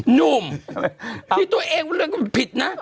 หนุ่มที่ตัวเองเรื่องมันผิดนะ